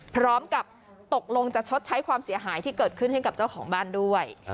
พร้อมกับตกลงจะชดใช้ความเสียหายที่เกิดขึ้นให้กับเจ้าของบ้านด้วย